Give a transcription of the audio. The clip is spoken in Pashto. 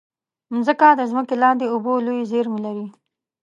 مځکه د ځمکې لاندې اوبو لویې زېرمې لري.